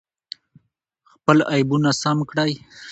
خپل عیبونه سم کړئ.